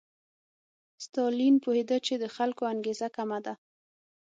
ستالین پوهېده چې د خلکو انګېزه کمه ده.